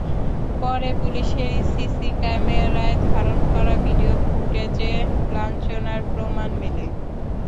পরে পুলিশেরই সিসি ক্যামেরায় ধারণ করা ভিডিও ফুটেজে লাঞ্ছনার প্রমাণ মেলে।